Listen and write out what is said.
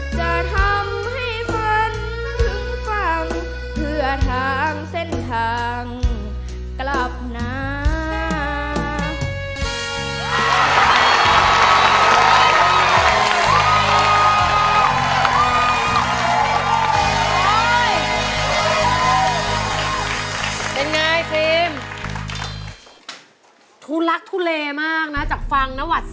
จะทำให้มันถึงฟัง